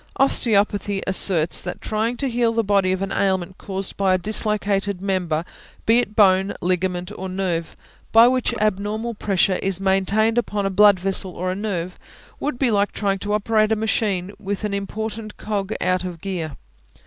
Osteopathy asserts that trying to heal the body of an ailment caused by a dislocated member, be it a bone, ligament, or nerve, by which abnormal pressure is maintained upon a blood vessel or a nerve, would be like trying to operate a machine with an important cog out of gear.